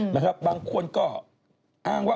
บางคนก็อ้างว่า